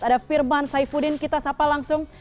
ada firman saifuddin kita sapa langsung